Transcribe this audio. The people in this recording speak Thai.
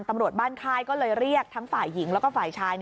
ตำรวจบ้านค่ายก็เลยเรียกทั้งฝ่ายหญิงแล้วก็ฝ่ายชาย